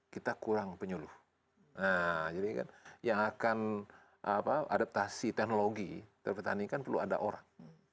kita kurang penyuluh jadi yang akan adaptasi teknologi terpertanikan perlu ada orang